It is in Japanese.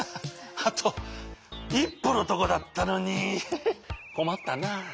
あといっぽのとこだったのにこまったな。